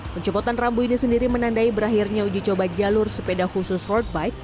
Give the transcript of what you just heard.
pencopotan rambu ini sendiri menandai berakhirnya uji coba jalur sepeda khusus road bike